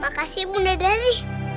makasih bunda dari